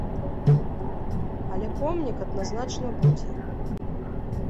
Але помнік адназначна будзе.